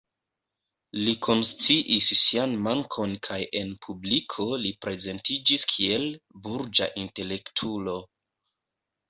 Li konsciis sian mankon kaj en publiko li prezentiĝis kiel „burĝa intelektulo“.